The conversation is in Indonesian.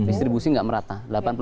distribusi gak merata